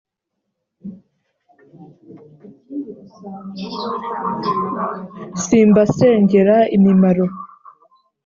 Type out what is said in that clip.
simbasengera imimaro.